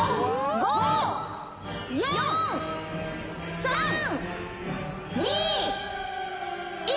５・４・３・２・１。